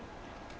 và bắt quả tang